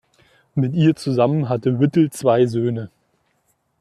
Mit ihr zusammen hatte Whittle zwei Söhne.